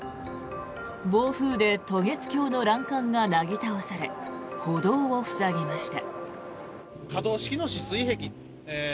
暴風で渡月橋の欄干がなぎ倒され歩道を塞ぎました。